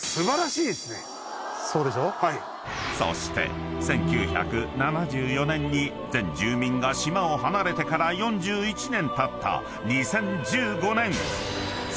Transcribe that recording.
［そして１９７４年に全住民が島を離れてから４１年たった］